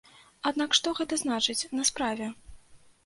Аднак што гэта значыць на справе?